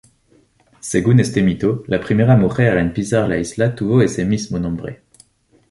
Según este mito, la primera mujer en pisar la isla tuvo ese mismo nombre.